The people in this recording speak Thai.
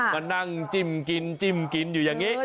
มานั่งจิ้มกินจิ้มกินอยู่อย่างนี้